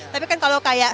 tapi kan kalau kayak